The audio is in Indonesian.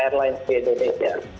airlines di indonesia